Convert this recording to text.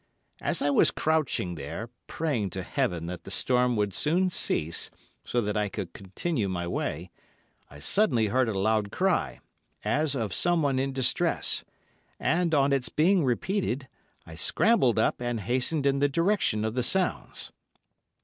As I was crouching there, praying to heaven that the storm would soon cease, so that I could continue my way, I suddenly heard a loud cry, as of someone in distress, and, on its being repeated, I scrambled up and hastened in the direction of the sounds.